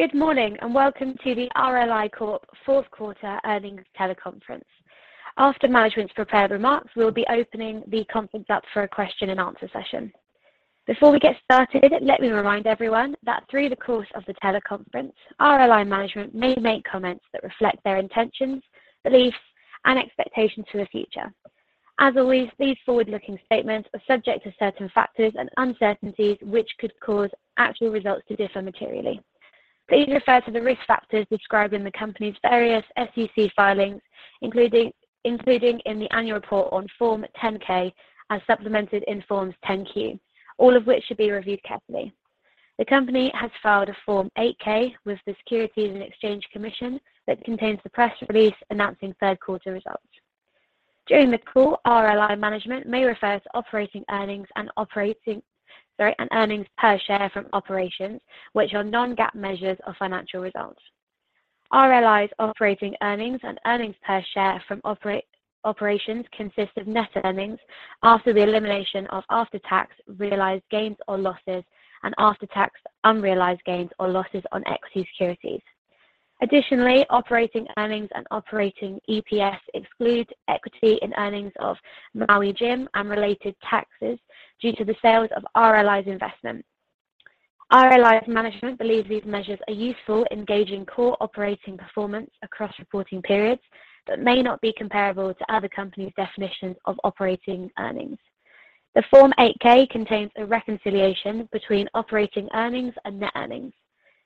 Good morning, welcome to the RLI Corp Q4 earnings teleconference. After management's prepared remarks, we'll be opening the conference up for a question and answer session. Before we get started, let me remind everyone that through the course of the teleconference, RLI management may make comments that reflect their intentions, beliefs, and expectations for the future. As always, these forward-looking statements are subject to certain factors and uncertainties which could cause actual results to differ materially. Please refer to the risk factors described in the company's various SEC filings, including in the annual report on Form 10-K and supplemented in forms 10-Q. All of which should be reviewed carefully. The company has filed a Form 8-K with the Securities and Exchange Commission that contains the press release announcing Q3 results. During the call, RLI management may refer to operating earnings and operating, sorry, and earnings per share from operations, which are non-GAAP measures of financial results. RLI's operating earnings and earnings per share from operations consist of net earnings after the elimination of after-tax realized gains or losses and after-tax unrealized gains or losses on equity securities. Additionally, operating earnings and operating EPS exclude equity and earnings of Maui Jim and related taxes due to the sales of RLI's investment. RLI's management believes these measures are useful in gauging core operating performance across reporting periods but may not be comparable to other companies' definitions of operating earnings. The Form 8-K contains a reconciliation between operating earnings and net earnings.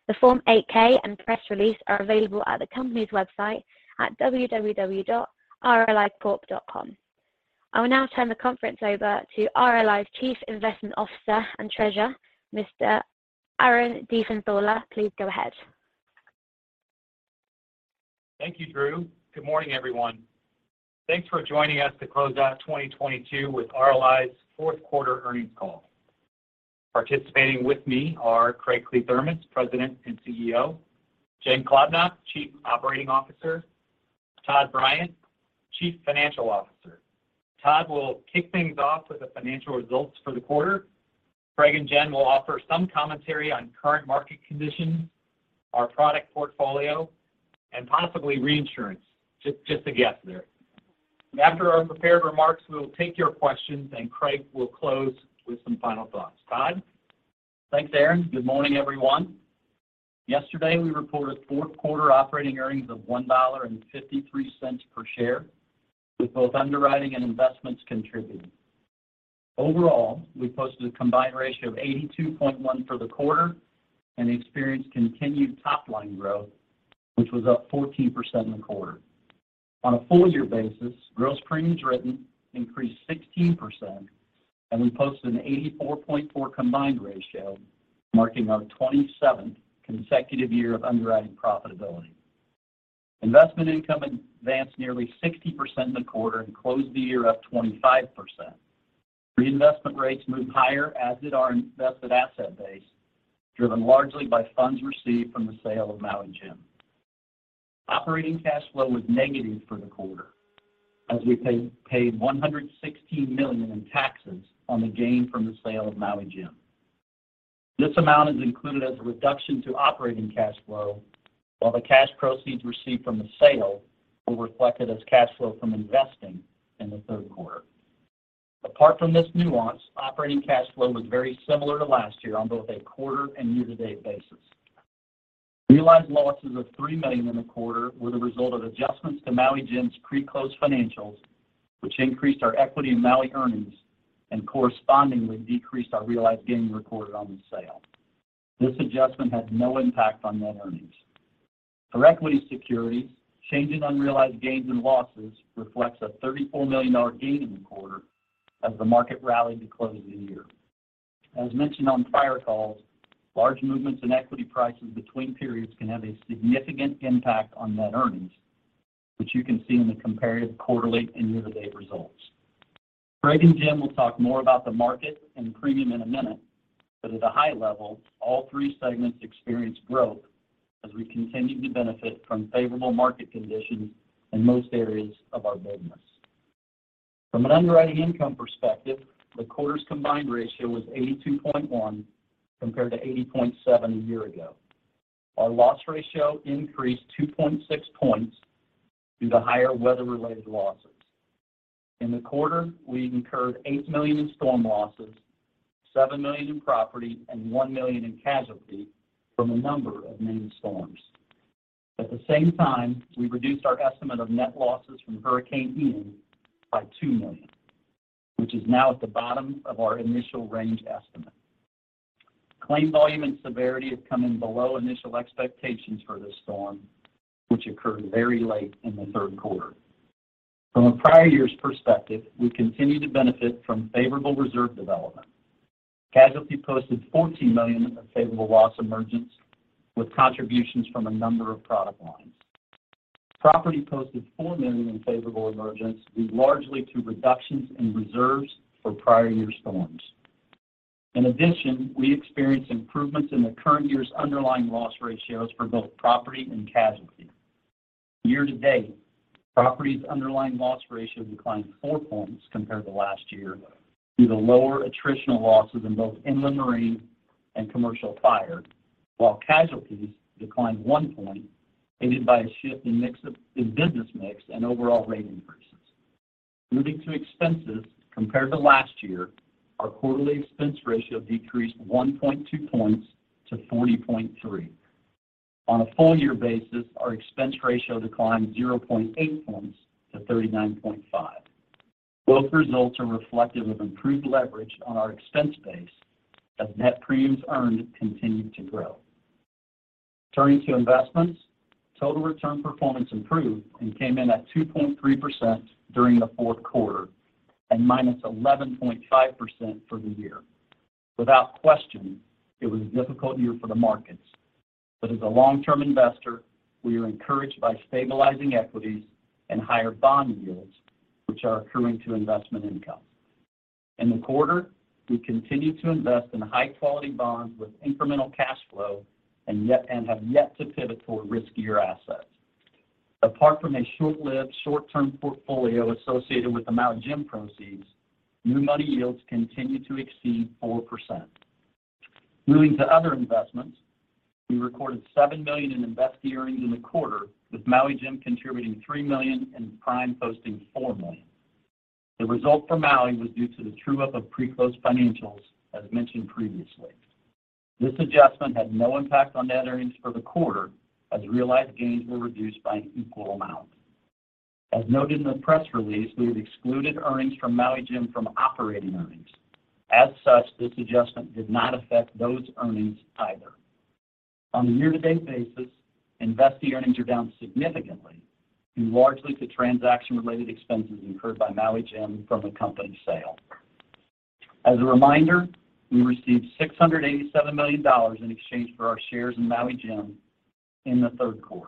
The Form 8-K and press release are available at the company's website at www.rlicorp.com. I will now turn the conference over to RLI's Chief Investment Officer and Treasurer, Mr. Aaron Diefenthaler. Please go ahead. Thank you, Drew. Good morning, everyone. Thanks for joining us to close out 2022 with RLI's Q4 earnings call. Participating with me are Craig Kliethermes, President and CEO; Jen Klobnak, Chief Operating Officer; Todd Bryant, Chief Financial Officer. Todd will kick things off with the financial results for the quarter. Craig and Jen will offer some commentary on current market conditions, our product portfolio, and possibly reinsurance. Just a guess there. After our prepared remarks, we will take your questions, and Craig will close with some final thoughts. Todd? Thanks, Aaron Diefenthaler. Good morning, everyone. Yesterday, we reported Q4 operating earnings of $1.53 per share, with both underwriting and investments contributing. Overall, we posted a combined ratio of 82.1 for the quarter and experienced continued top-line growth, which was up 14% in the quarter. On a full year basis, gross premiums written increased 16%, we posted an 84.4 combined ratio, marking our 27th consecutive year of underwriting profitability. Investment income advanced nearly 60% in the quarter and closed the year up 25%. Reinvestment rates moved higher, as did our invested asset base, driven largely by funds received from the sale of Maui Jim. Operating cash flow was negative for the quarter as we paid $116 million in taxes on the gain from the sale of Maui Jim. This amount is included as a reduction to operating cash flow, while the cash proceeds received from the sale were reflected as cash flow from investing in the third quarter. Apart from this nuance, operating cash flow was very similar to last year on both a quarter and year-to-date basis. Realized losses of $3 million in the quarter were the result of adjustments to Maui Jim's pre-close financials, which increased our equity in Maui earnings and correspondingly decreased our realized gain reported on the sale. This adjustment had no impact on net earnings. For equity securities, change in unrealized gains and losses reflects a $34 million gain in the quarter as the market rallied to close the year. As mentioned on prior calls, large movements in equity prices between periods can have a significant impact on net earnings, which you can see in the comparative quarterly and year-to-date results. Craig and Jen will talk more about the market and premium in a minute, but at a high level, all three segments experienced growth as we continued to benefit from favorable market conditions in most areas of our business. From an underwriting income perspective, the quarter's combined ratio was 82.1 compared to 80.7 a year ago. Our loss ratio increased 2.6 points due to higher weather-related losses. In the quarter, we incurred $8 million in storm losses, $7 million in property, and $1 million in casualty from a number of named storms. At the same time, we reduced our estimate of net losses from Hurricane Ian by $2 million, which is now at the bottom of our initial range estimate. Claim volume and severity have come in below initial expectations for this storm, which occurred very late in Q3. From a prior year's perspective, we continue to benefit from favorable reserve development. Casualty posted $14 million of favorable loss emergence with contributions from a number of product lines. Property posted $4 million in favorable emergence due largely to reductions in reserves for prior year storms. In addition, we experienced improvements in the current year's underlying loss ratios for both Property and Casualty. Year-to-date, Property's underlying loss ratio declined 4 points compared to last year due to lower attritional losses in both inland marine and commercial fire, while Casualty's declined 1 point, aided by a shift in business mix and overall rate increases. Moving to expenses, compared to last year, our quarterly expense ratio decreased 1.2 points to 40.3. On a full year basis, our expense ratio declined 0.8 points to 39.5. Both results are reflective of improved leverage on our expense base as net premiums earned continued to grow. Turning to investments, total return performance improved and came in at 2.3% during Q4 and -11.5% for the year. Without question, it was a difficult year for the markets. As a long-term investor, we are encouraged by stabilizing equities and higher bond yields, which are accruing to investment income. In the quarter, we continued to invest in high-quality bonds with incremental cash flow, and have yet to pivot toward riskier assets. Apart from a short-lived, short-term portfolio associated with the Maui Jim proceeds, new money yields continued to exceed 4%. Moving to other investments, we recorded $7 million in investee earnings in the quarter, with Maui Jim contributing $3 million and Prime posting $4 million. The result for Maui was due to the true up of pre-closed financials, as mentioned previously. This adjustment had no impact on net earnings for the quarter, as realized gains were reduced by an equal amount. As noted in the press release, we have excluded earnings from Maui Jim from operating earnings. As such, this adjustment did not affect those earnings either. On a year-to-date basis, investee earnings are down significantly due largely to transaction-related expenses incurred by Maui Jim from the company sale. As a reminder, we received $687 million in exchange for our shares in Maui Jim in Q3.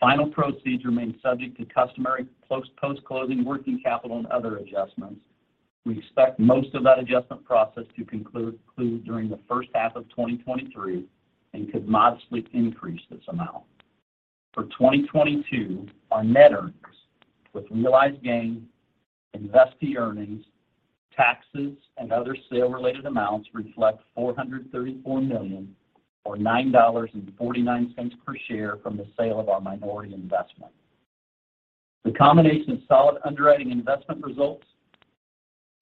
Final proceeds remain subject to customary post-closing working capital and other adjustments. We expect most of that adjustment process to conclude during the first half of 2023 and could modestly increase this amount. For 2022, our net earnings with realized gains, investee earnings, taxes, and other sale-related amounts reflect $434 million or $9.49 per share from the sale of our minority investment. The combination of solid underwriting investment results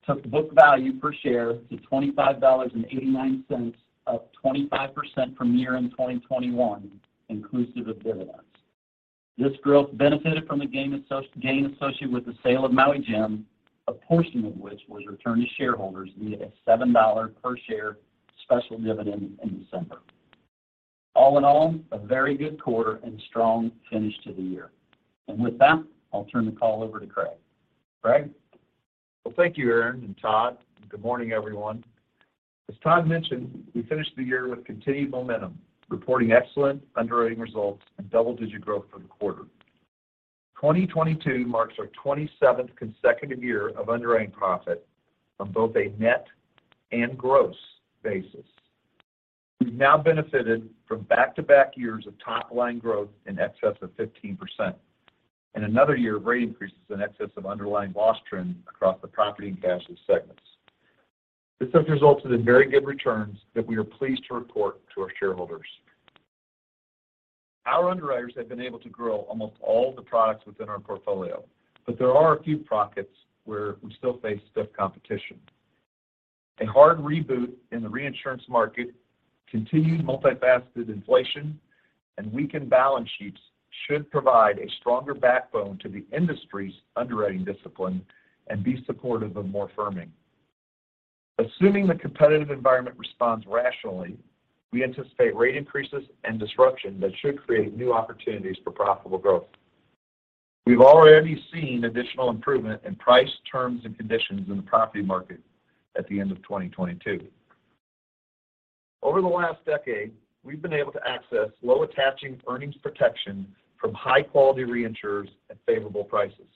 took book value per share to $25.89, up 25% from year-end 2021, inclusive of dividends. This growth benefited from the gain associated with the sale of Maui Jim, a portion of which was returned to shareholders via a $7 per share special dividend in December. All in all, a very good quarter and strong finish to the year. With that, I'll turn the call over to Craig. Craig? Well, thank you, Aaron Diefenthaler and Todd. Good morning, everyone. As Todd mentioned, we finished the year with continued momentum, reporting excellent underwriting results and double-digit growth for the quarter. 2022 marks our 27th consecutive year of underwriting profit on both a net and gross basis. We've now benefited from back-to-back years of top-line growth in excess of 15% and another year of rate increases in excess of underlying loss trend across the property and casualty segments. This has resulted in very good returns that we are pleased to report to our shareholders. Our underwriters have been able to grow almost all the products within our portfolio, but there are a few pockets where we still face stiff competition. A hard reboot in the reinsurance market, continued multifaceted inflation, and weakened balance sheets should provide a stronger backbone to the industry's underwriting discipline and be supportive of more firming. Assuming the competitive environment responds rationally, we anticipate rate increases and disruption that should create new opportunities for profitable growth. We've already seen additional improvement in price, terms, and conditions in the property market at the end of 2022. Over the last decade, we've been able to access low attaching earnings protection from high-quality reinsurers at favorable prices.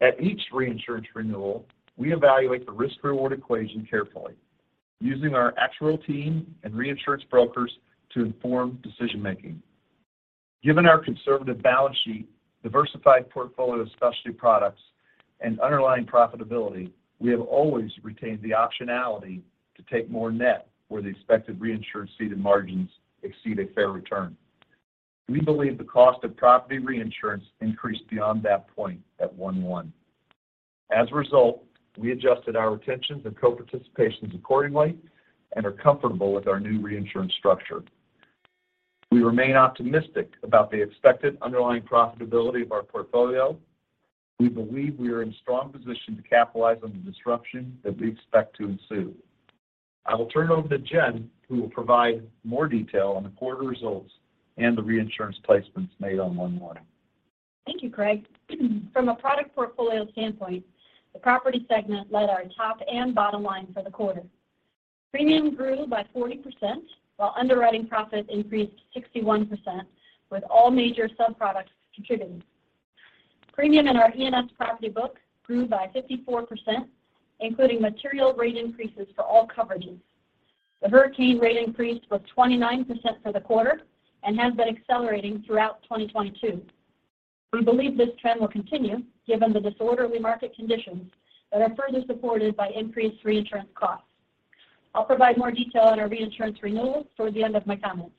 At each reinsurance renewal, we evaluate the risk/reward equation carefully using our actuarial team and reinsurance brokers to inform decision-making. Given our conservative balance sheet, diversified portfolio of specialty products, and underlying profitability, we have always retained the optionality to take more net where the expected reinsured ceded margins exceed a fair return. We believe the cost of property reinsurance increased beyond that point at one-one. We adjusted our retentions and co-participations accordingly and are comfortable with our new reinsurance structure. We remain optimistic about the expected underlying profitability of our portfolio. We believe we are in strong position to capitalize on the disruption that we expect to ensue. I will turn it over to Jen, who will provide more detail on the quarter results and the reinsurance placements made on one-one. Thank you, Craig. From a product portfolio standpoint, the property segment led our top and bottom line for the quarter. Premium grew by 40%, while underwriting profit increased 61%, with all major subproducts contributing. Premium in our E&S property book grew by 54%, including material rate increases for all coverages. The hurricane rate increase was 29% for the quarter and has been accelerating throughout 2022. We believe this trend will continue given the disorderly market conditions that are further supported by increased reinsurance costs. I'll provide more detail on our reinsurance renewals towards the end of my comments.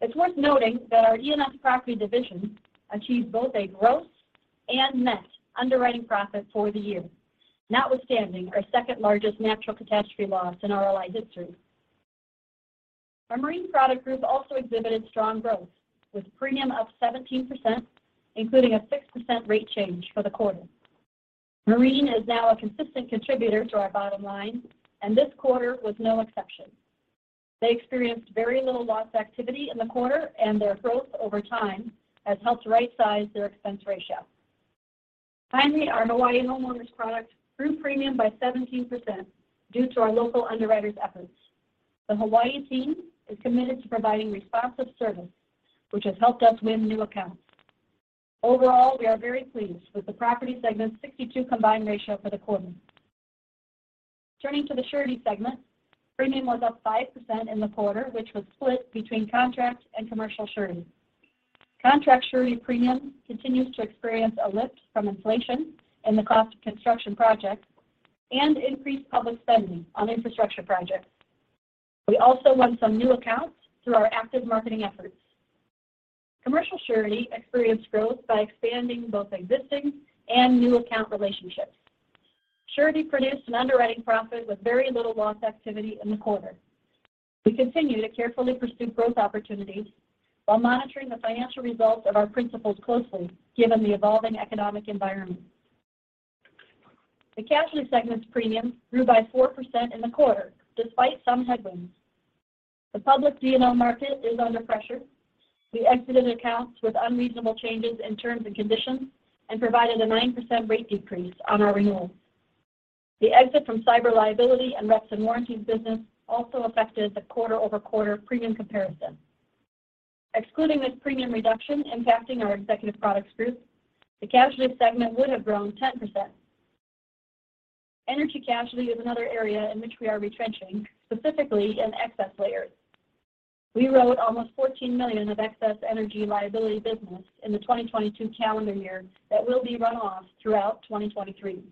It's worth noting that our E&S property division achieved both a gross and net underwriting profit for the year, notwithstanding our second-largest natural catastrophe loss in RLI history. Our Marine product group also exhibited strong growth, with premium up 17%, including a 6% rate change for the quarter. Marine is now a consistent contributor to our bottom line, and this quarter was no exception. They experienced very little loss activity in the quarter, and their growth over time has helped rightsize their expense ratio. Finally, our Hawaii homeowners product grew premium by 17% due to our local underwriters' efforts. The Hawaii team is committed to providing responsive service, which has helped us win new accounts. Overall, we are very pleased with the property segment's 62 combined ratio for the quarter. Turning to the Surety segment, premium was up 5% in the quarter, which was split between Contract and Commercial Surety. Contract Surety premium continues to experience a lift from inflation in the cost of construction projects and increased public spending on infrastructure projects. We also won some new accounts through our active marketing efforts. Commercial Surety experienced growth by expanding both existing and new account relationships. Surety produced an underwriting profit with very little loss activity in the quarter. We continue to carefully pursue growth opportunities while monitoring the financial results of our principals closely given the evolving economic environment. The Casualty segment's premium grew by 4% in the quarter despite some headwinds. The public D&O market is under pressure. We exited accounts with unreasonable changes in terms and conditions and provided a 9% rate decrease on our renewals. The exit from cyber liability and reps and warranties business also affected the quarter-over-quarter premium comparison. Excluding this premium reduction impacting our Executive Products Group, the Casualty segment would have grown 10%. Energy Casualty is another area in which we are retrenching, specifically in excess layers. We wrote almost $14 million of excess energy liability business in the 2022 calendar year that will be run-off throughout 2023.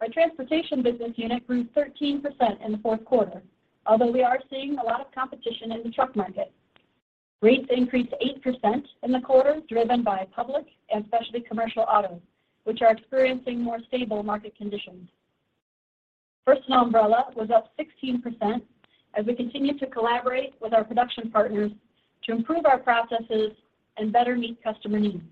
Our transportation business unit grew 13% in Q4, although we are seeing a lot of competition in the truck market. Rates increased 8% in the quarter, driven by public and specialty commercial auto, which are experiencing more stable market conditions. Personal umbrella was up 16% as we continue to collaborate with our production partners to improve our processes and better meet customer needs.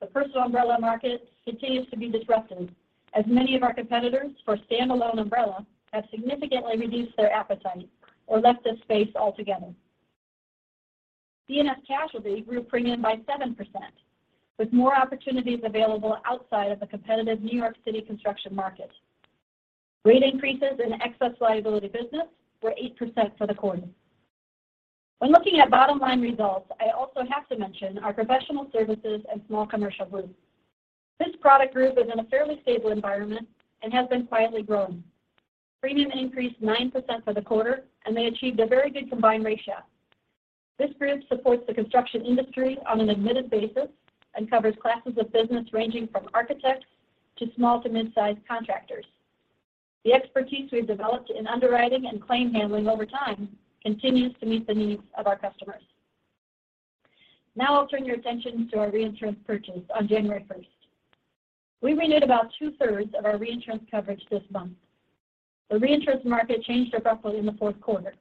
The personal umbrella market continues to be disruptive as many of our competitors for standalone umbrella have significantly reduced their appetite or left this space altogether. E&S Casualty grew premium by 7%, with more opportunities available outside of the competitive New York City construction market. Rate increases in excess liability business were 8% for the quarter. When looking at bottom-line results, I also have to mention our professional services and small commercial group. This product group is in a fairly stable environment and has been quietly growing. Premium increased 9% for the quarter, and they achieved a very good combined ratio. This group supports the construction industry on an admitted basis and covers classes of business ranging from architects to small to mid-sized contractors. The expertise we've developed in underwriting and claim handling over time continues to meet the needs of our customers. Now I'll turn your attention to our reinsurance purchase on January first. We renewed about two-thirds of our reinsurance coverage this month. The reinsurance market changed abruptly in Q4.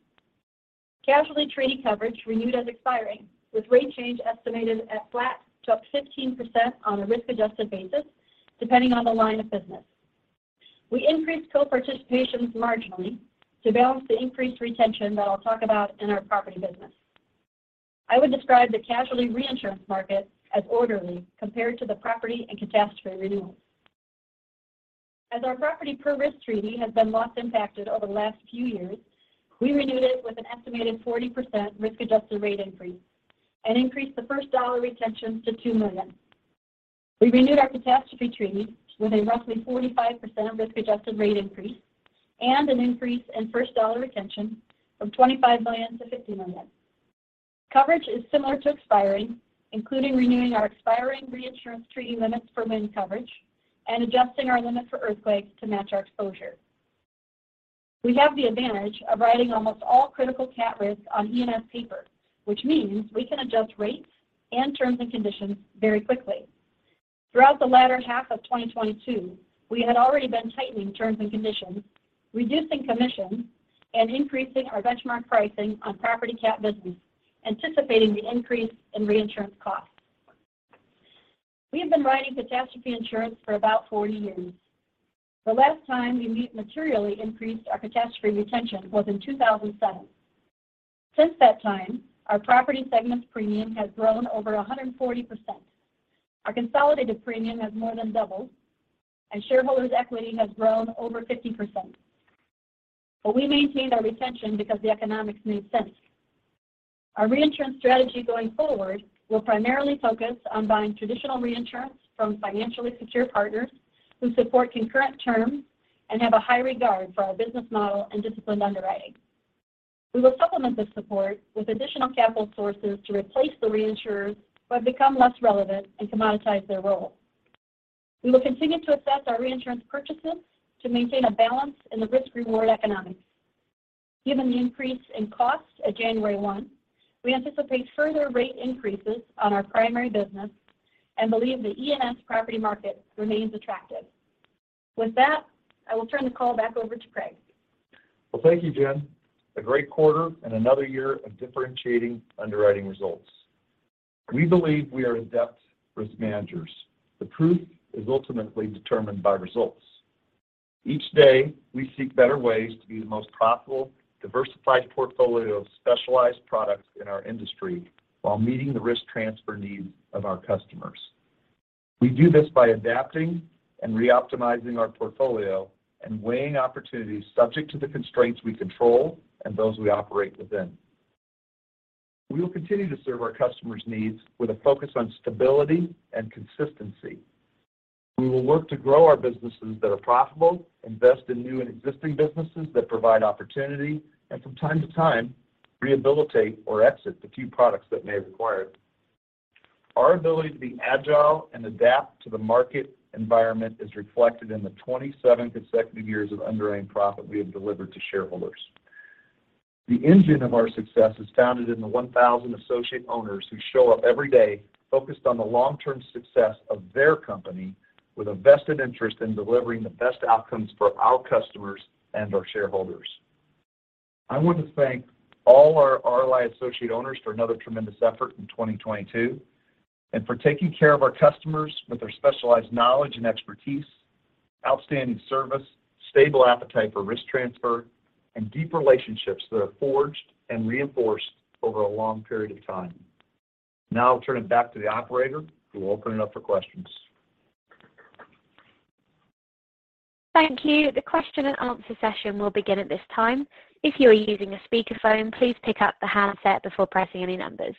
Casualty treaty coverage renewed as expiring, with rate change estimated at flat to up 15% on a risk-adjusted basis, depending on the line of business. We increased co-participations marginally to balance the increased retention that I'll talk about in our property business. I would describe the casualty reinsurance market as orderly compared to the property and catastrophe renewals. As our property per risk treaty has been loss-impacted over the last few years, we renewed it with an estimated 40% risk-adjusted rate increase and increased the first dollar retention to $2 million. We renewed our catastrophe treaty with a roughly 45% risk-adjusted rate increase and an increase in first dollar retention from $25 million to $50 million. Coverage is similar to expiring, including renewing our expiring reinsurance treaty limits for wind coverage and adjusting our limit for earthquakes to match our exposure. We have the advantage of writing almost all critical cat risk on E&S paper, which means we can adjust rates and terms and conditions very quickly. Throughout the latter half of 2022, we had already been tightening terms and conditions, reducing commissions, and increasing our benchmark pricing on property cat business, anticipating the increase in reinsurance costs. We have been writing catastrophe insurance for about 40 years. The last time we materially increased our catastrophe retention was in 2007. Since that time, our property segment's premium has grown over 140%. Our consolidated premium has more than doubled, and shareholders' equity has grown over 50%. We maintained our retention because the economics made sense. Our reinsurance strategy going forward will primarily focus on buying traditional reinsurance from financially secure partners who support concurrent terms and have a high regard for our business model and disciplined underwriting. We will supplement this support with additional capital sources to replace the reinsurers who have become less relevant and commoditize their role. We will continue to assess our reinsurance purchases to maintain a balance in the risk-reward economics. Given the increase in costs at January 1, we anticipate further rate increases on our primary business and believe the E&S property market remains attractive. With that, I will turn the call back over to Craig. Well, thank you, Jen. A great quarter and another year of differentiating underwriting results. We believe we are adept risk managers. The proof is ultimately determined by results. Each day, we seek better ways to be the most profitable, diversified portfolio of specialized products in our industry while meeting the risk transfer needs of our customers. We do this by adapting and reoptimizing our portfolio and weighing opportunities subject to the constraints we control and those we operate within. We will continue to serve our customers' needs with a focus on stability and consistency. We will work to grow our businesses that are profitable, invest in new and existing businesses that provide opportunity, and from time to time, rehabilitate or exit the few products that may require it. Our ability to be agile and adapt to the market environment is reflected in the 27 consecutive years of underwriting profit we have delivered to shareholders. The engine of our success is founded in the 1,000 associate owners who show up every day focused on the long-term success of their company with a vested interest in delivering the best outcomes for our customers and our shareholders. I want to thank all our RLI associate owners for another tremendous effort in 2022 and for taking care of our customers with their specialized knowledge and expertise, outstanding service, stable appetite for risk transfer, and deep relationships that are forged and reinforced over a long period of time. I'll turn it back to the operator, who will open it up for questions. Thank you. The question and answer session will begin at this time. If you are using a speakerphone, please pick up the handset before pressing any numbers.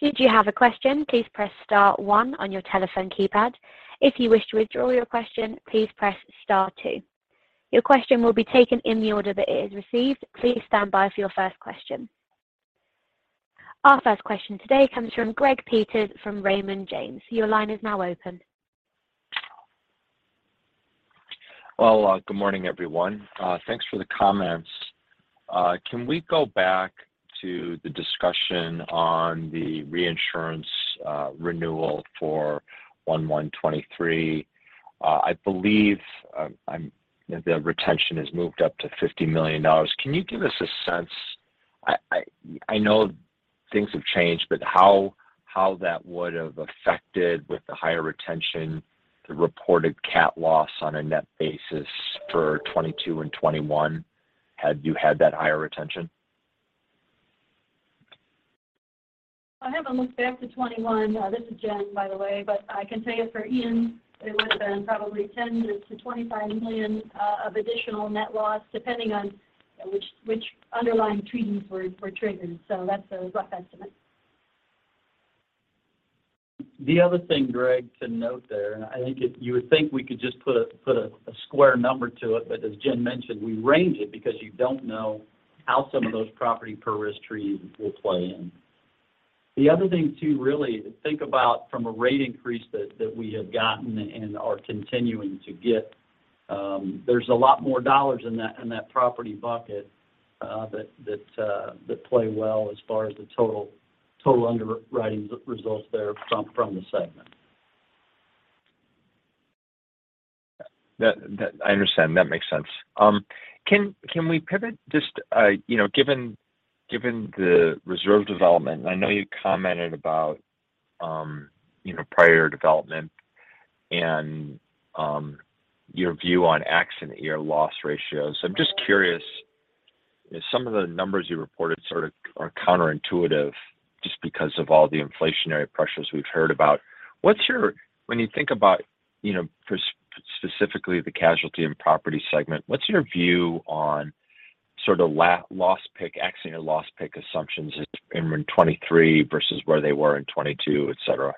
Should you have a question, please press star one on your telephone keypad. If you wish to withdraw your question, please press star two. Your question will be taken in the order that it is received. Please stand by for your first question. Our first question today comes from Greg Peters from Raymond James. Your line is now open. Well, good morning, everyone. Thanks for the comments. Can we go back to the discussion on the reinsurance renewal for 1/1/2023? I believe the retention has moved up to $50 million. Can you give us a sense, I know things have changed, but how that would have affected with the higher retention, the reported cat loss on a net basis for 2022 and 2021 had you had that higher retention? I haven't looked back to 2021. This is Jen, by the way, but I can tell you for Ian, it would have been probably $10 million-$25 million of additional net loss depending on which underlying treaties were triggered. That's a rough estimate. The other thing, Greg, to note there, you would think we could just put a square number to it, but as Jen mentioned, we range it because you don't know how some of those property per risk treaties will play in. The other thing too, really, think about from a rate increase that we have gotten and are continuing to get, there's a lot more dollars in that, in that property bucket, that play well as far as the total underwriting re-results there from the segment. That I understand. That makes sense. Can we pivot just, you know, given the reserve development, and I know you commented about, you know, prior development and your view on accident year loss ratios. I'm just curious, you know, some of the numbers you reported sort of are counterintuitive just because of all the inflationary pressures we've heard about. What's your When you think about, you know, specifically the casualty and property segment, what's your view on sort of loss pick, accident year loss pick assumptions in 2023 versus where they were in 2022, et cetera?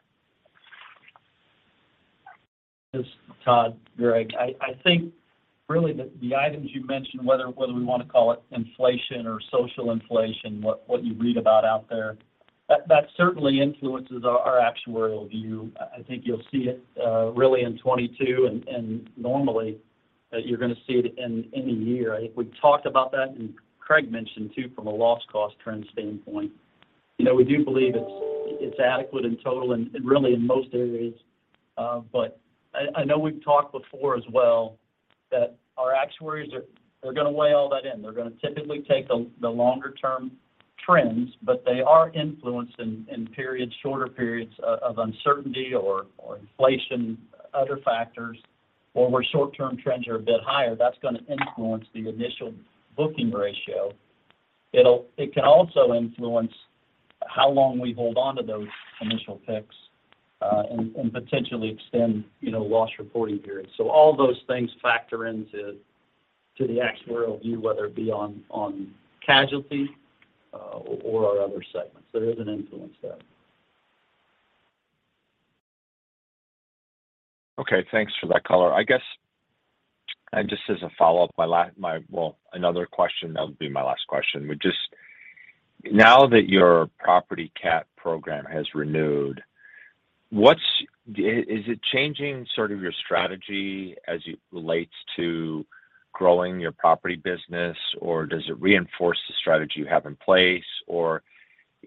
This is Todd, Greg. I think really the items you mentioned, whether we want to call it inflation or social inflation, what you read about out there, that certainly influences our actuarial view. I think you'll see it really in 2022 and normally you're gonna see it in a year. I think we've talked about that, and Craig mentioned too from a loss cost trend standpoint. You know, we do believe it's adequate in total and really in most areas, but I know we've talked before as well that our actuaries they're gonna weigh all that in. They're gonna typically take the longer term trends, but they are influenced in periods, shorter periods of uncertainty or inflation, other factors where short-term trends are a bit higher. That's gonna influence the initial booking ratio.It can also influence how long we hold on to those initial picks, and potentially extend, you know, loss reporting periods. All those things factor into the actuarial view, whether it be on casualties, or our other segments. There is an influence there. Okay. Thanks for that color. I guess, just as a follow-up, my... Well, another question, that would be my last question. Just now that your property cat program has renewed, is it changing sort of your strategy as it relates to growing your property business, or does it reinforce the strategy you have in place?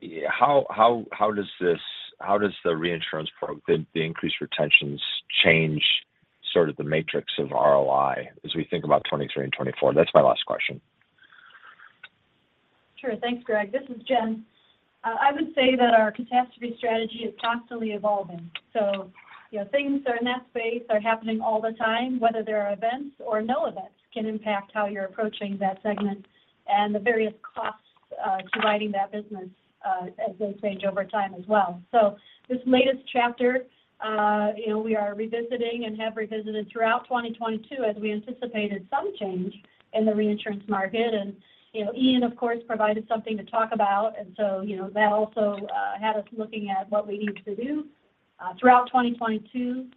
Yeah, how, how does this, how does the reinsurance the increased retentions change sort of the matrix of ROI as we think about 2023 and 2024? That's my last question. Sure. Thanks, Greg. This is Jen. I would say that our catastrophe strategy is constantly evolving. You know, things that are in that space are happening all the time, whether there are events or no events can impact how you're approaching that segment and the various costs to writing that business as they change over time as well. This latest chapter, you know, we are revisiting and have revisited throughout 2022 as we anticipated some change in the reinsurance market. You know, Ian, of course, provided something to talk about. You know, that also had us looking at what we need to do. Throughout 2022,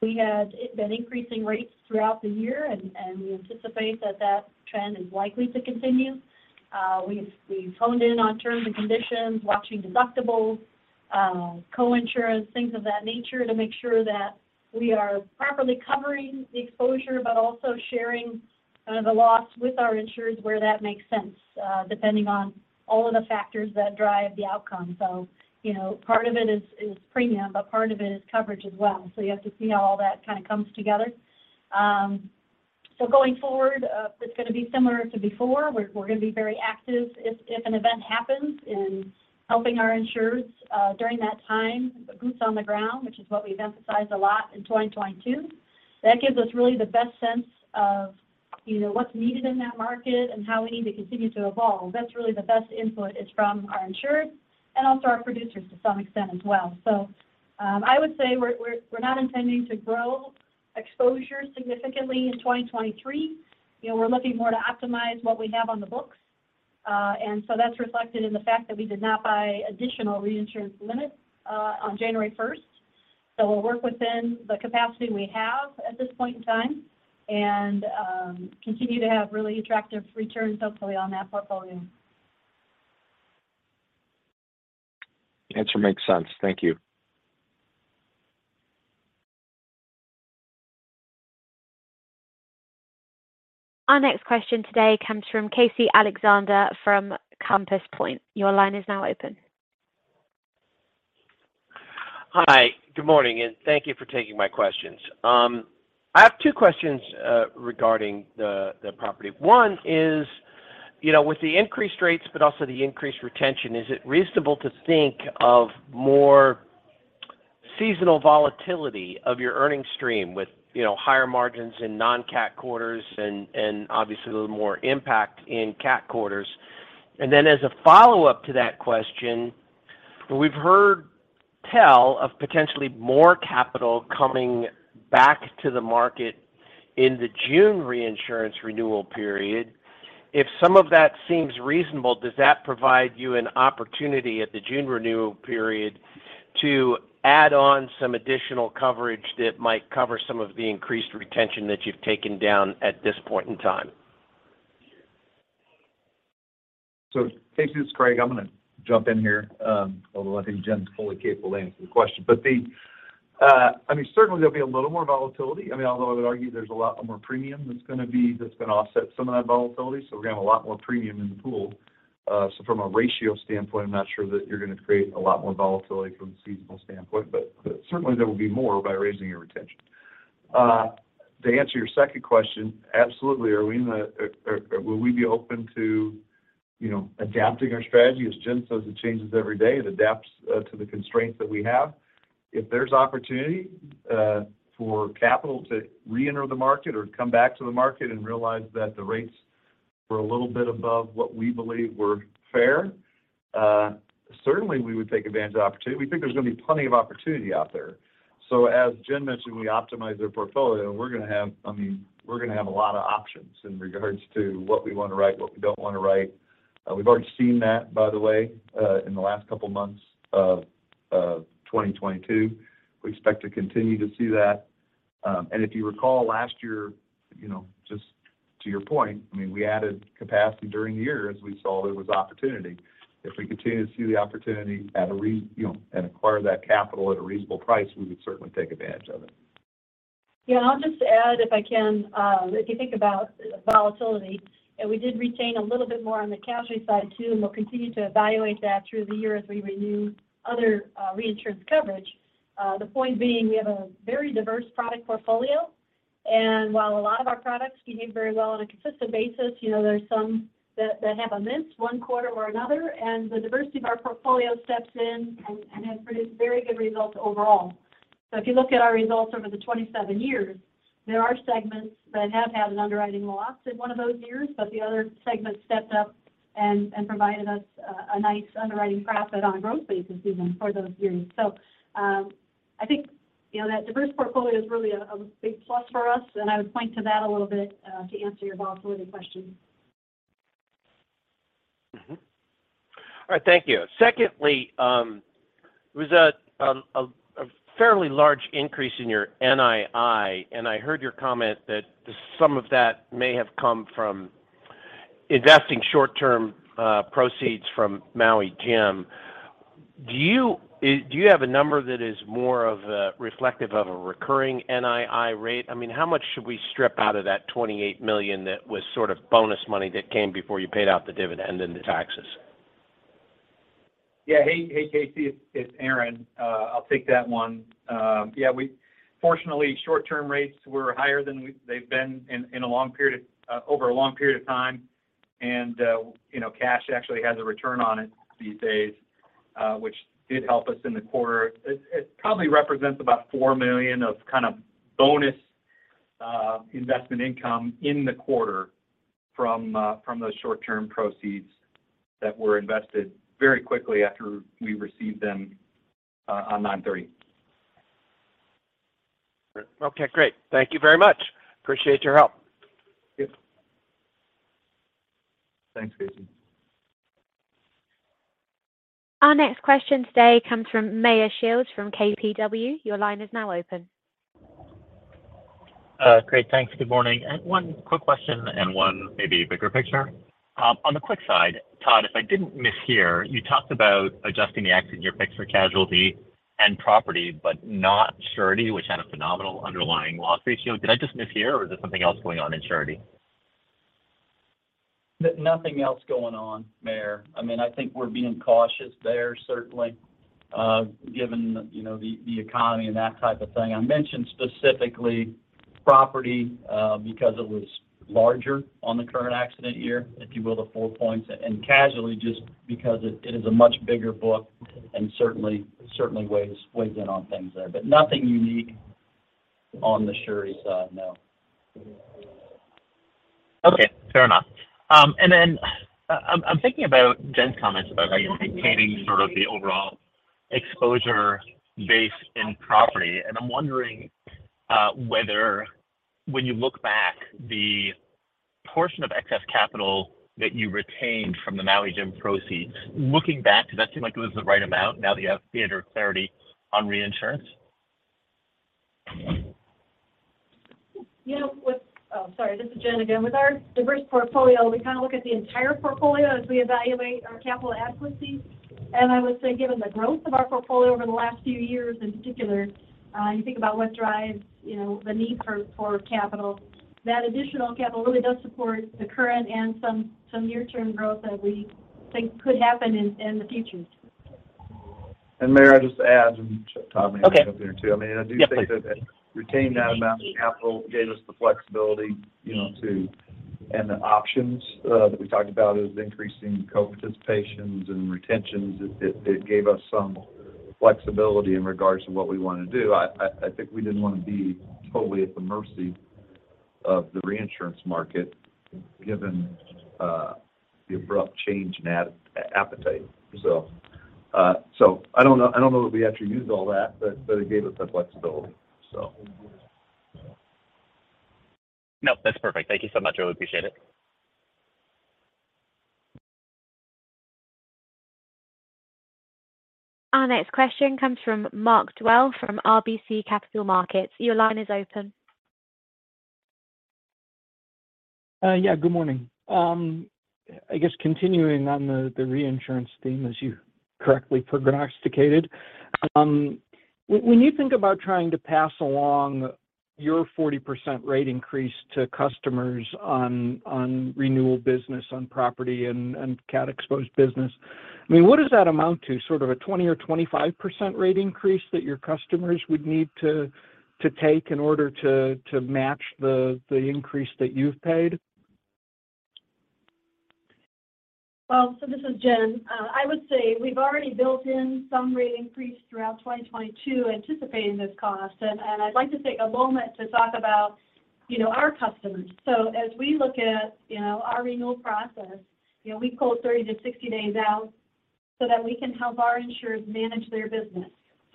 we had been increasing rates throughout the year, and we anticipate that that trend is likely to continue. We've honed in on terms and conditions, watching deductibles, co-insurance, things of that nature to make sure that we are properly covering the exposure, but also sharing the loss with our insurers where that makes sense, depending on all of the factors that drive the outcome. You know, part of it is premium, but part of it is coverage as well. You have to see how all that kind of comes together. Going forward, it's gonna be similar to before. We're gonna be very active if an event happens in helping our insurers during that time, boots on the ground, which is what we've emphasized a lot in 2022. That gives us really the best sense of, you know, what's needed in that market and how we need to continue to evolve. That's really the best input is from our insurers and also our producers to some extent as well. I would say we're not intending to grow exposure significantly in 2023. You know, we're looking more to optimize what we have on the books. That's reflected in the fact that we did not buy additional reinsurance limits, on January 1st. We'll work within the capacity we have at this point in time and continue to have really attractive returns hopefully on that portfolio. The answer makes sense. Thank you. Our next question today comes from Casey Alexander from Compass Point. Your line is now open. Hi. Good morning, and thank you for taking my questions. I have two questions regarding the property. One is, you know, with the increased rates but also the increased retention, is it reasonable to think of more seasonal volatility of your earnings stream with, you know, higher margins in non-cat quarters and obviously a little more impact in cat quarters? As a follow-up to that question, we've heard tell of potentially more capital coming back to the market in the June reinsurance renewal period. If some of that seems reasonable, does that provide you an opportunity at the June renewal period to add on some additional coverage that might cover some of the increased retention that you've taken down at this point in time? Casey, this is Greg. I'm gonna jump in here, although I think Jen's fully capable of answering the question. I mean, certainly there'll be a little more volatility. I mean, although I would argue there's a lot more premium that's gonna offset some of that volatility, so we're gonna have a lot more premium in the pool. From a ratio standpoint, I'm not sure that you're gonna create a lot more volatility from a seasonal standpoint, but certainly there will be more by raising your retention. To answer your second question, absolutely, are we in the, or will we be open to, you know, adapting our strategy? As Jen says, it changes every day. It adapts to the constraints that we have. If there's opportunity for capital to reenter the market or come back to the market and realize that the rates were a little bit above what we believe were fair, certainly we would take advantage of opportunity. We think there's gonna be plenty of opportunity out there. As Jen mentioned, we optimize their portfolio. I mean, we're gonna have a lot of options in regards to what we wanna write, what we don't wanna write. We've already seen that, by the way, in the last couple months of 2022. We expect to continue to see that. If you recall last year, you know, just to your point, I mean, we added capacity during the year as we saw there was opportunity. If we continue to see the opportunity at a you know, and acquire that capital at a reasonable price, we would certainly take advantage of it. Yeah. I'll just add if I can. If you think about volatility, we did retain a little bit more on the casualty side too. We'll continue to evaluate that through the year as we renew other reinsurance coverage. The point being, we have a very diverse product portfolio. While a lot of our products behave very well on a consistent basis, you know, there's some that have a miss one quarter or another, and the diversity of our portfolio steps in and has produced very good results overall. If you look at our results over the 27 years, there are segments that have had an underwriting loss in one of those years, but the other segments stepped up and provided us a nice underwriting profit on a growth basis even for those years. I think, you know, that diverse portfolio is really a big plus for us, and I would point to that a little bit to answer your follow-through question. All right. Thank you. Secondly, there was a fairly large increase in your NII, and I heard your comment that some of that may have come from investing short-term proceeds from Maui Jim. Do you have a number that is more of a reflective of a recurring NII rate? I mean, how much should we strip out of that $28 million that was sort of bonus money that came before you paid out the dividend and the taxes? Yeah. Hey, Casey. It's Aaron. I'll take that one. Yeah, we. Fortunately, short-term rates were higher than they've been in a long period of, over a long period of time. You know, cash actually has a return on it these days, which did help us in the quarter. It probably represents about $4 million of kind of bonus investment income in the quarter from those short-term proceeds that were invested very quickly after we received them on 9/30. Okay. Great. Thank you very much. Appreciate your help. Yep. Thanks, Casey. Our next question today comes from Meyer Shields from KBW. Your line is now open. Great. Thanks. Good morning. I had one quick question and one maybe bigger picture. On the quick side, Todd, if I didn't mishear, you talked about adjusting the accident year picks for casualty and property, but not surety, which had a phenomenal underlying loss ratio. Did I just mishear, or is there something else going on in surety? Nothing else going on, Meyer. I mean, I think we're being cautious there certainly, given, you know, the economy and that type of thing. I mentioned specifically property, because it was larger on the current accident year, if you will, the four points. Casualty just because it is a much bigger book and certainly weighs in on things there. Nothing unique on the surety side, no. Okay. Fair enough. I'm thinking about Jen's comments about how you're maintaining sort of the overall exposure base in property, and I'm wondering whether when you look back, the portion of excess capital that you retained from the Maui Jim proceeds, looking back, does that seem like it was the right amount now that you have greater clarity on reinsurance? You know, this is Jen again. With our diverse portfolio, we kind of look at the entire portfolio as we evaluate our capital adequacy. I would say, given the growth of our portfolio over the last few years in particular, you think about what drives, you know, the need for capital. That additional capital really does support the current and some near-term growth that we think could happen in the future. Mayer, I'll just add, and Todd may want to jump in, too. Okay. Yep. I mean, I do think that retaining that amount of capital gave us the flexibility, you know. The options that we talked about as increasing co-participations and retentions. It gave us some flexibility in regards to what we want to do. I think we didn't want to be totally at the mercy of the reinsurance market given the abrupt change in appetite. I don't know that we actually used all that, but it gave us the flexibility. Nope. That's perfect. Thank you so much. Really appreciate it. Our next question comes from Mark Dwelle from RBC Capital Markets. Your line is open. Yeah, good morning. I guess continuing on the reinsurance theme, as you correctly prognosticated, when you think about trying to pass along your 40% rate increase to customers on renewal business on property and cat-exposed business, I mean, what does that amount to? Sort of a 20% or 25% rate increase that your customers would need to take in order to match the increase that you've paid? This is Jen. I would say we've already built in some rate increase throughout 2022 anticipating this cost. I'd like to take a moment to talk about, you know, our customers. As we look at, you know, our renewal process, you know, we quote 30 to 60 days out so that we can help our insurers manage their business.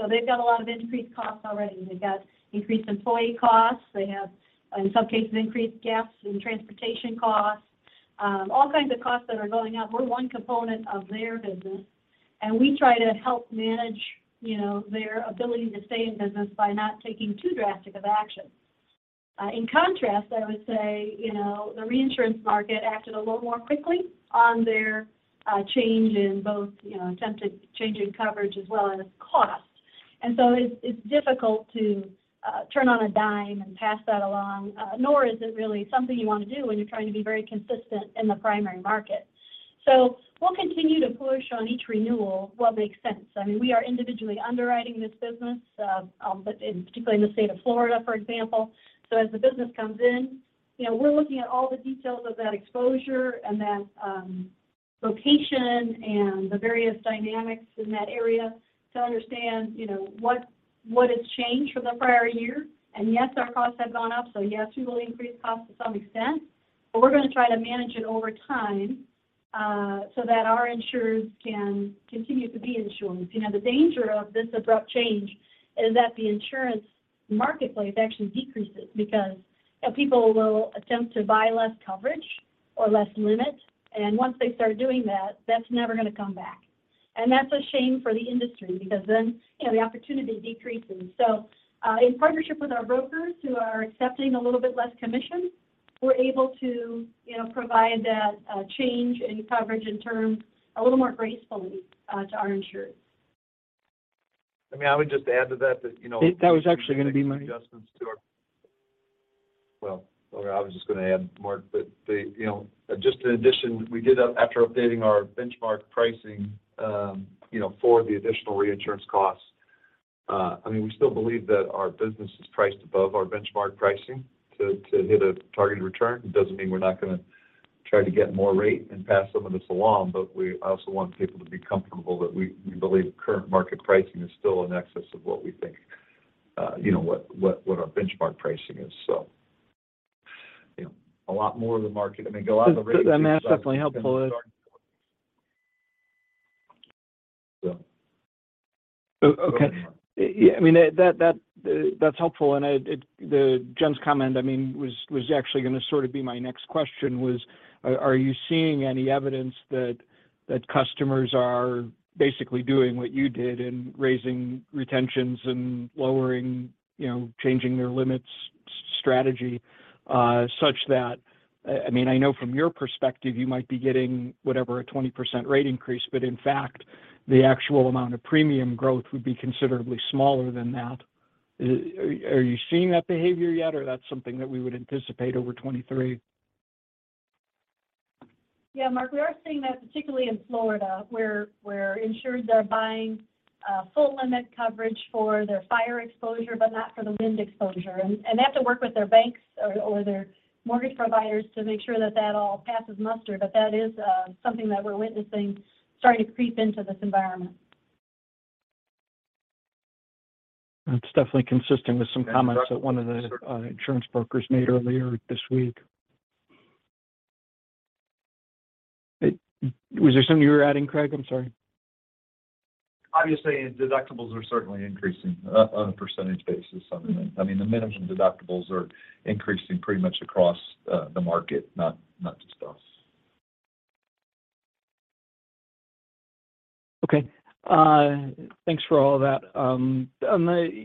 They've got a lot of increased costs already. They've got increased employee costs. They have, in some cases, increased gaps in transportation costs. All kinds of costs that are going up. We're one component of their business, and we try to help manage, you know, their ability to stay in business by not taking too drastic of action. In contrast, I would say, you know, the reinsurance market acted a little more quickly on their change in both, you know, attempted change in coverage as well as cost. It's difficult to turn on a dime and pass that along, nor is it really something you wanna do when you're trying to be very consistent in the primary market. We'll continue to push on each renewal what makes sense. I mean, we are individually underwriting this business, but in particularly in the state of Florida, for example. As the business comes in, you know, we're looking at all the details of that exposure and then Location and the various dynamics in that area to understand, you know, what has changed from the prior year. Yes, our costs have gone up. Yes, we will increase costs to some extent, but we're gonna try to manage it over time so that our insurers can continue to be insured. You know, the danger of this abrupt change is that the insurance marketplace actually decreases because, you know, people will attempt to buy less coverage or less limit. Once they start doing that's never gonna come back. That's a shame for the industry because then, you know, the opportunity decreases. In partnership with our brokers who are accepting a little bit less commission, we're able to, you know, provide that change in coverage and terms a little more gracefully to our insurers. I mean, I would just add to that, you know... That was actually gonna be.... adjustments to our. Well, I was just gonna add, Mark. You know, just in addition, after updating our benchmark pricing, you know, for the additional reinsurance costs, I mean, we still believe that our business is priced above our benchmark pricing to hit a targeted return. It doesn't mean we're not gonna try to get more rate and pass some of this along, but we also want people to be comfortable that we believe current market pricing is still in excess of what we think, you know, what our benchmark pricing is. You know, a lot more of the market, I mean, a lot of the rates- That's definitely helpful. Yeah. O-okay. Go ahead, Mark. Yeah. I mean, that's helpful. I mean, Jen's comment, I mean, was actually gonna sort of be my next question was, are you seeing any evidence that customers are basically doing what you did and raising retentions and lowering, you know, changing their limits strategy, such that I mean, I know from your perspective, you might be getting, whatever, a 20% rate increase, but in fact, the actual amount of premium growth would be considerably smaller than that. Are you seeing that behavior yet, or that's something that we would anticipate over 2023? Yeah, Mark, we are seeing that, particularly in Florida, where insureds are buying full limit coverage for their fire exposure, but not for the wind exposure. They have to work with their banks or their mortgage providers to make sure that all passes muster. That is something that we're witnessing starting to creep into this environment. That's definitely consistent with some comments that one of the insurance brokers made earlier this week. Was there something you were adding, Craig? I'm sorry. I'm just saying deductibles are certainly increasing on a percentage basis. I mean, the minimum deductibles are increasing pretty much across the market, not just us. Okay. Thanks for all that.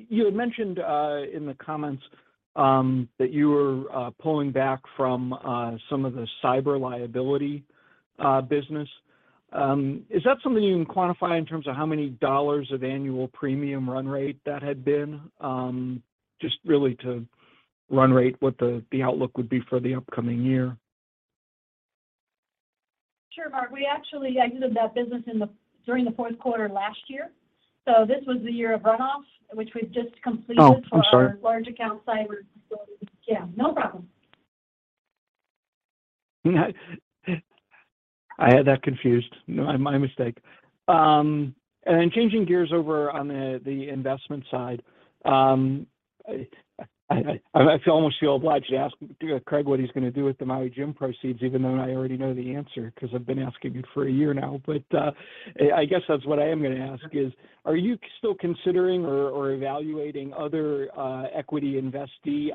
You had mentioned in the comments that you were pulling back from some of the cyber liability business. Is that something you can quantify in terms of how many dollars of annual premium run rate that had been? Just really to run rate what the outlook would be for the upcoming year. Sure, Mark. We actually exited that business in the, during Q4 last year. This was the year of runoff, which we've just completed- Oh, I'm sorry for our large account cyber. Yeah, no problem. I had that confused. My mistake. Changing gears over on the investment side. I almost feel obliged to ask Craig what he's gonna do with the Maui Jim proceeds even though I already know the answer, 'cause I've been asking you for a year now. I guess that's what I am gonna ask is, are you still considering or evaluating other equity investee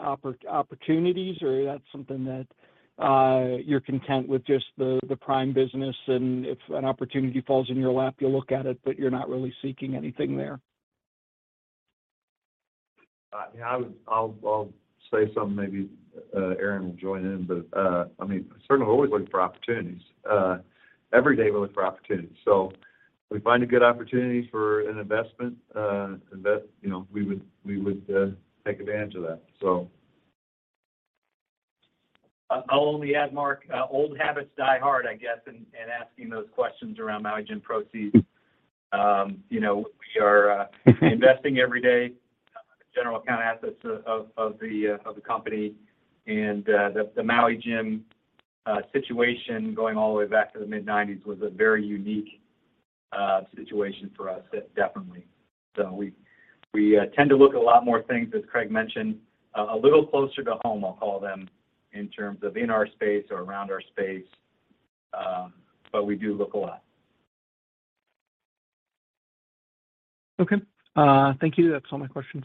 opportunities, or that's something that you're content with just the Prime business, and if an opportunity falls in your lap, you'll look at it, but you're not really seeking anything there? I'll say something, maybe, Aaron will join in. I mean, certainly we're always looking for opportunities. Every day we look for opportunities. If we find a good opportunity for an investment, you know, we would take advantage of that. I'll only add, Mark, old habits die hard, I guess, in asking those questions around Maui Jim proceeds. You know, we are investing every day general account assets of the company. The Maui Jim situation going all the way back to the mid-nineties was a very unique situation for us. It definitely. We tend to look at a lot more things, as Craig mentioned, a little closer to home, I'll call them, in terms of in our space or around our space. We do look a lot. Okay. Thank you. That's all my questions.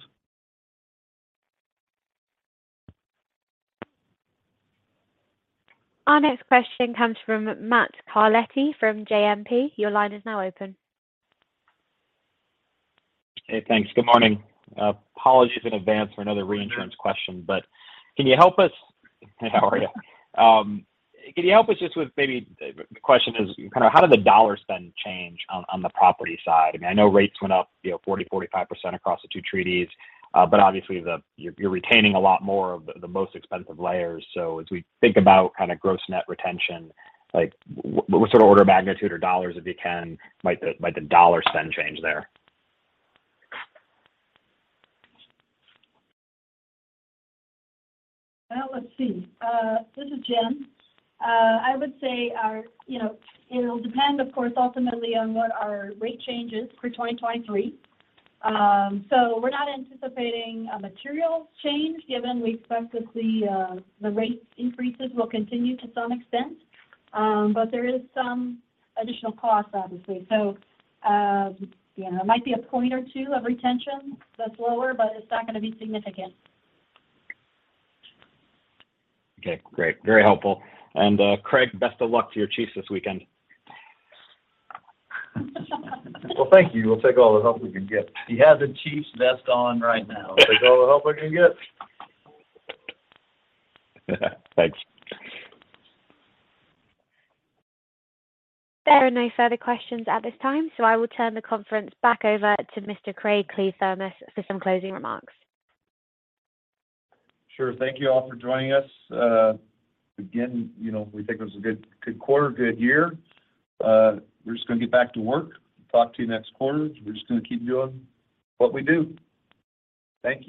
Our next question comes from Matt Carletti from JMP. Your line is now open. Hey, thanks. Good morning. Apologies in advance for another reinsurance question. Can you help us? Hey, how are you? Can you help us just with maybe? The question is kind of how did the dollar spend change on the property side? I mean, I know rates went up, you know, 40%-45% across the two treaties. Obviously you're retaining a lot more of the most expensive layers. As we think about kind of gross net retention, like what sort of order of magnitude or dollars, if you can, might the dollar spend change there? Well, let's see. This is Jen. I would say our, you know, it'll depend, of course, ultimately on what our rate change is for 2023. We're not anticipating a material change given we expect that the rate increases will continue to some extent. There is some additional costs, obviously. You know, it might be a point or two of retention that's lower, but it's not gonna be significant. Okay, great. Very helpful. Craig, best of luck to your Chiefs this weekend. Well, thank you. We'll take all the help we can get. He has a Chiefs vest on right now. Take all the help we can get. Thanks. There are no further questions at this time. I will turn the conference back over to Mr. Craig Kliethermes for some closing remarks. Sure. Thank you all for joining us. Again, you know, we think it was a good quarter, good year. We're just gonna get back to work. Talk to you next quarter. We're just gonna keep doing what we do. Thank you.